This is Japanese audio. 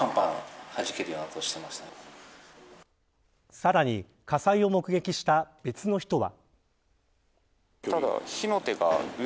さらに火災を目撃した別の人は。